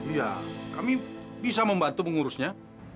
iya kami bisa membantu mengurusnya